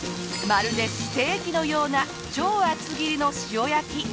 まるでステーキのような超厚切りの塩焼き。